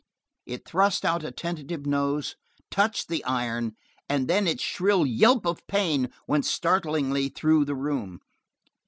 It thrust out a tentative nose, touched the iron, and then its shrill yelp of pain went startlingly through the room.